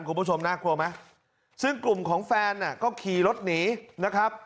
คุณผู้ชมน่ากลัวไหมซึ่งกลุ่มของแฟนก็ขี่รถหนีนะครับ